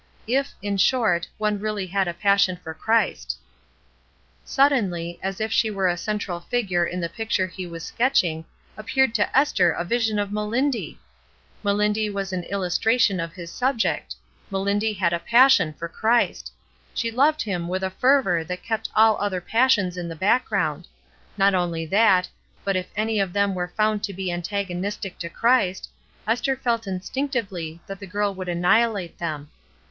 "If, in short, one really had a passion for Christ." Suddenly, as if she were a central figure in the picture he was sketching, appeared to Esther a vision of MeUndy! Melindy was an illustration of his subject; Melindy had a passion for Christ ! she loved Him with a fervor that kept all other passions in the background : not only that, but if any of them were found to be antagonistic to Christ, Esther felt instinc tively that the girl would annihilate them.